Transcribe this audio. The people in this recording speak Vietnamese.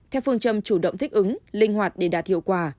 theo phương châm chủ động thích ứng linh hoạt để đạt hiệu quả